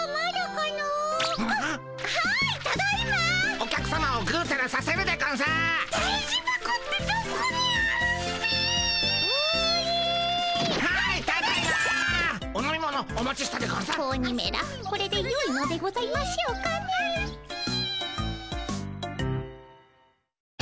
これでよいのでございましょうかねえ。